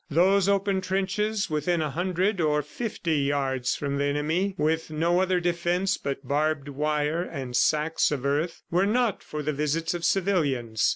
Those open trenches within a hundred or fifty yards from the enemy, with no other defence but barbed wire and sacks of earth, were not for the visits of civilians.